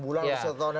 sebut tahun yang lalu